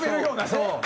そう。